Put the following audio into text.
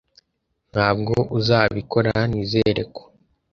Ntabwo uzabikora, nizere ko.